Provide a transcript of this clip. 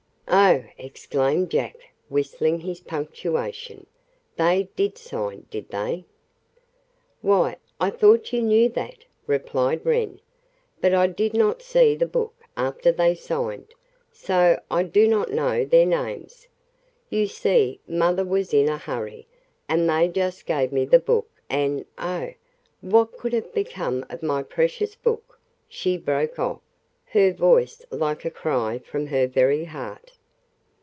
"Oh!" exclaimed Jack, whistling his punctuation. "They did sign, did they?" "Why, I thought you knew that," replied Wren. "But I did not see the book after they signed, so I do not know their names. You see, mother was in a hurry, and they just gave me the book and Oh, what could have become of my precious book!" she broke off, her voice like a cry from her very heart.